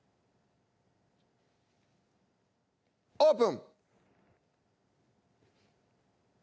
オープン！